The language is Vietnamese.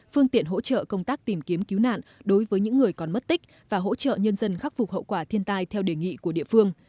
phương tiện hỗ trợ công tác tìm kiếm cứu nạn đối với những người còn mất tích và hỗ trợ nhân dân khắc phục hậu quả thiên tai theo đề nghị của địa phương